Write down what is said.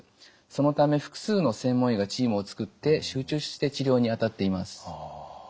そのため複数の専門医がチームを作って集中して治療に当たっています。